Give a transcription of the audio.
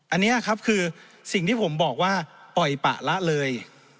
อันนี้ครับคือสิ่งที่ผมบอกว่าปล่อยปะละเลย